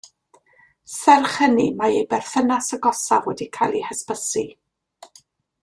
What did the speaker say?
Serch hynny mae ei berthynas agosaf wedi cael ei hysbysu.